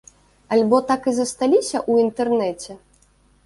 Альбо так і засталіся ў інтэрнэце?